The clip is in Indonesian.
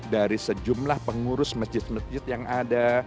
dari sejumlah pengurus masjid masjid yang ada